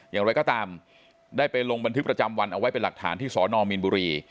อย่างไรก็ตามได้ไปลงบันทึกประจำวันเอาไว้เป็นหลักฐานที่สนมีนบุรี